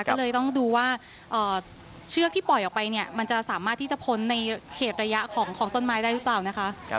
ก็เลยต้องดูว่าเชือกที่ปล่อยออกไปเนี่ยมันจะสามารถที่จะพ้นในเขตระยะของต้นไม้ได้หรือเปล่านะคะ